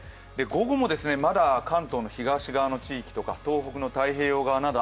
午後もまだ関東の東側の地域ですとか東北の太平洋側など